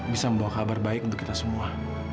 bisa membawa kabar baik untuk kita semua